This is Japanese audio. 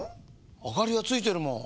あかりはついてるもん。